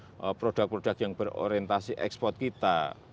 bagaimana strategi produk produk yang berorientasi ekspor kita